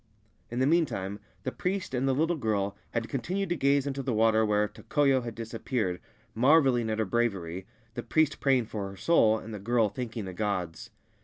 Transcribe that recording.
In the meantime the priest and the little girl had continued to gaze into the water where Tokoyo had dis appeared, marvelling at her bravery, the priest praying for her soul, and the girl thanking the gods.